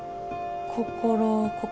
心